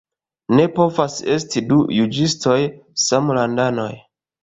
Ne povas esti du juĝistoj samlandanoj.